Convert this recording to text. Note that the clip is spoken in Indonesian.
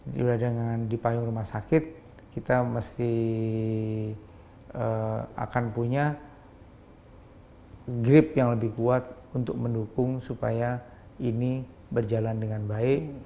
berada di dalam payung rumah sakit kita mesti akan punya grip yang lebih kuat untuk mendukung supaya ini berjalan dengan baik